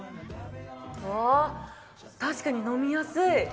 あー、確かに飲みやすい。